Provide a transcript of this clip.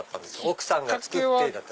奥さんが「作って」だった？